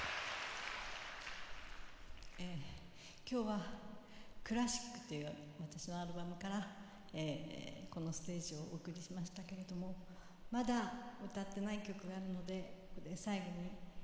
今日は「ＣｌａＣｈｉｃ」という私のアルバムからこのステージをお送りしましたけれどもまだ歌ってない曲があるので最後に。